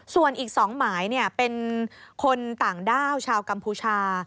ส่วนอีก๒หมายเป็นคนต่างด้าวชาวกัมพูชา